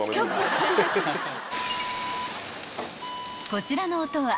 ［こちらの音は］